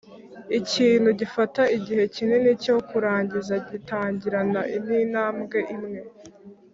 ikintu gifata igihe kinini cyo kurangiza gitangirana nintambwe imwe